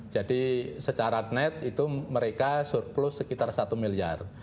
jadi secara net itu mereka surplus sekitar satu miliar